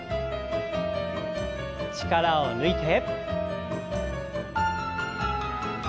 力を抜いて。